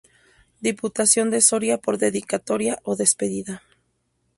Diputación de Soria por Dedicatoria o despedida.